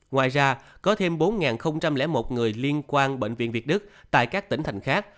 ngoài ra có thêm bốn một người liên quan bệnh viện việt đức tại các tỉnh thành khác